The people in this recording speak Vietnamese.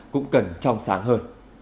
cũng cần trong sáng hơn